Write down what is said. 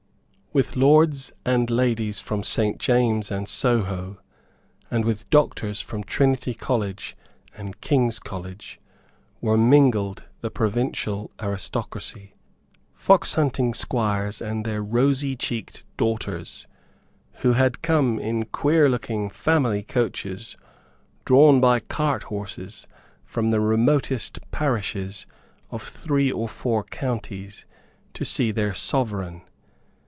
With lords and ladies from Saint James's and Soho, and with doctors from Trinity College and King's College, were mingled the provincial aristocracy, foxhunting squires and their rosycheeked daughters, who had come in queerlooking family coaches drawn by carthorses from the remotest parishes of three or four counties to see their Sovereign.